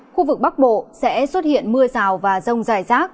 khu vực bắc bộ sẽ xuất hiện mưa rào và rông dài rác